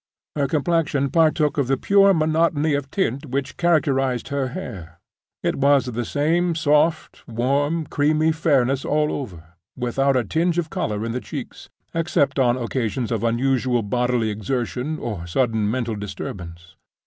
Her complexion partook of the pure monotony of tint which characterized her hair—it was of the same soft, warm, creamy fairness all over, without a tinge of color in the cheeks, except on occasions of unusual bodily exertion or sudden mental disturbance.